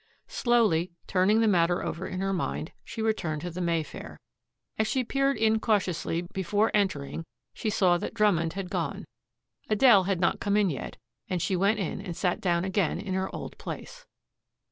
Slowly, turning the matter over in her mind, she returned to the Mayfair. As she peered in cautiously before entering she saw that Drummond had gone. Adele had not come in yet, and she went in and sat down again in her old place.